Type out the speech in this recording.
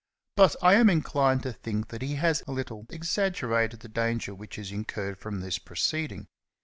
But I am inclined to think that he has a little exaggerated the danger which is incurred from this proceeding.